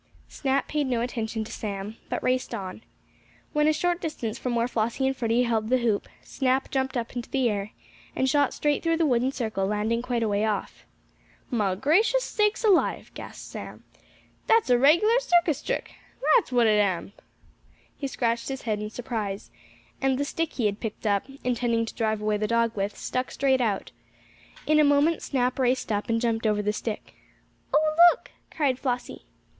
Snap paid no attention to Sam, but raced on. When a short distance from where Flossie and Freddie held the hoop, Snap jumped up into the air, and shot straight through the wooden circle, landing quite a way off. "Mah gracious sakes alive!" gasped Sam. "Dat's a reg'lar circus trick at's what it am!" He scratched his head in surprise, and the stick he had picked up, intending to drive away the dog with, stuck straight out. In a moment Snap raced up, and jumped over the stick. "Oh, look!" cried Flossie.